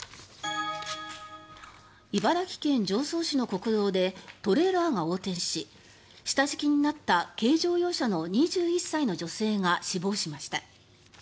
茨城県常総市の国道でトレーラーが横転し下敷きになった軽乗用車の２１歳の女性が死亡しました。